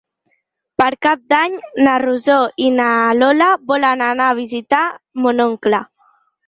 Per Cap d'Any na Rosó i na Lola volen anar a visitar mon oncle.